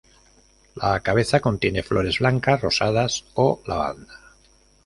La cabeza contiene flores blancas, rosadas, o lavanda.